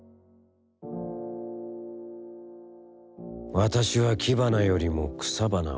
「私は木花よりも草花を愛する。